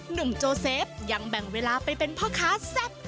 โจเซฟยังแบ่งเวลาไปเป็นพ่อค้าแซ่บ